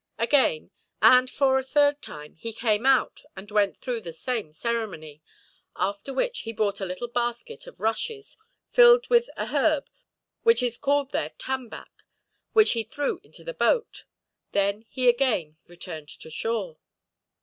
Again, and for a third time, he came out and went through the same ceremony; after which he brought a little basket of rushes, filled with an herb which is called there tambac, which he threw into the boat. Then he again returned to shore.